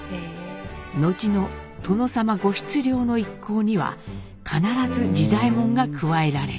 後の殿様御出漁の一行には必ず次左衛門が加へられた」。